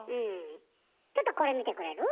ちょっとこれ見てくれる？